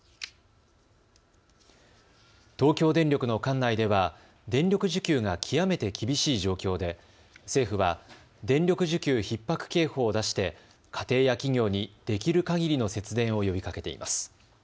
東京電力の管内では電力需給が極めて厳しい状況で政府は電力需給ひっ迫警報を出して家庭や企業に、できるかぎりの節電を呼びかけています。